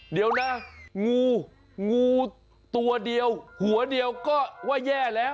เดี๋ยวนะงูงูตัวเดียวหัวเดียวก็ว่าแย่แล้ว